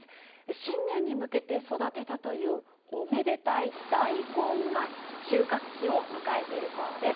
新年に向けて育てたというおめでたい大根が収穫期を迎えているそうです。